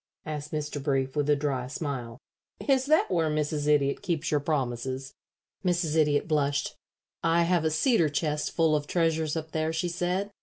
asked Mr. Brief, with a dry smile. "Is that where Mrs. Idiot keeps your promises?" Mrs. Idiot blushed. "I have a cedar chest full of treasures up there," she said.